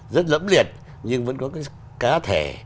rất lẫm liệt nhưng vẫn có cái cá thể